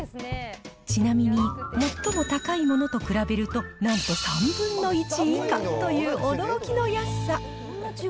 ちなみに、最も高いものと比べるとなんと３分の１以下という驚きの安さ。